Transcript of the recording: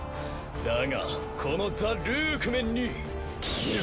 だがこのザ・ルークメンに。